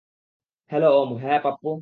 Hello Om, - হ্যাঁ পাপ্পু।